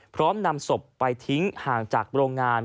นำศพไปทิ้งห่างจากโรงงาน